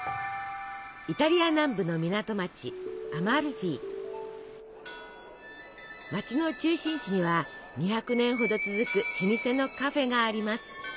イタリア南部の港町街の中心地には２００年ほど続く老舗のカフェがあります。